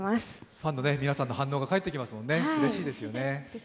ファンの皆さんの反応が返ってきますもんね、うれしいですよね。